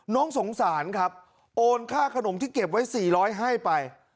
น้องสงสารครับโอนค่าขนมที่เก็บไว้๔๐๐ให้ไป